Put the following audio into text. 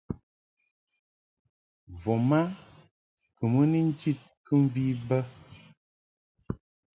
Voma kɨ mɨ ni njid kɨmvi bə.